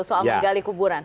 soal menggali kuburan